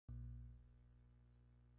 La zona es pobre en recursos mineros.